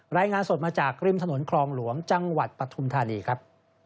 รายงานสดมาจากริมถนนคลองหลวงจังหวัดปฐุมธานีครับ